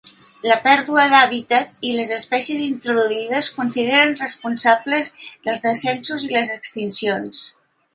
La pèrdua d'hàbitat i les espècies introduïdes es consideren responsables dels descensos i les extincions.